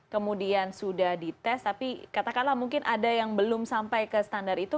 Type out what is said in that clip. kemudian sudah dites tapi katakanlah mungkin ada yang belum sampai ke standar itu